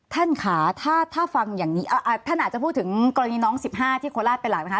ท่านค่ะถ้าฟังอย่างนี้ท่านอาจจะพูดถึงกรณีน้อง๑๕ที่โคราชเป็นหลักไหมคะ